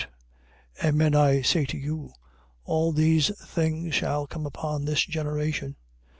Amen I say to you, all these things shall come upon this generation.